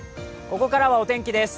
ここからはお天気です。